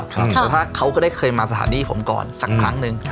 แต่ถ้าเขาก็ได้เคยมาสถานีผมก่อนสักครั้งหนึ่ง